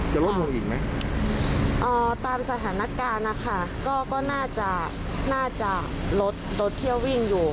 จะลดภูมิอีกไหมอ่าตามสถานการณ์นะคะก็ก็น่าจะน่าจะลดรถเที่ยววิ่งอยู่